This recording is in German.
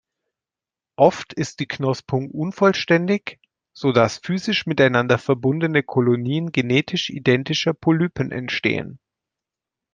Oft ist die Knospung unvollständig, sodass physisch miteinander verbundene Kolonien genetisch identischer Polypen entstehen.